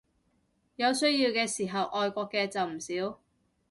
有需要嘅時候愛國嘅就唔少